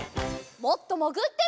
もっともぐってみよう。